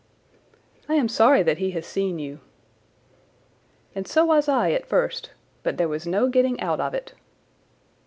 "I am sorry that he has seen you." "And so was I at first. But there was no getting out of it."